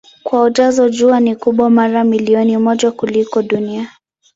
Kwa ujazo Jua ni kubwa mara milioni moja kuliko Dunia.